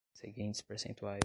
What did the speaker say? seguintes percentuais